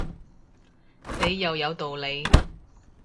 你又有道理